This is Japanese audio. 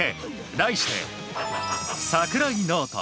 題して、櫻井ノート。